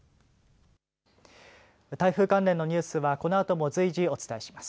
台風関連のニュースはこのあとも随時お伝えします。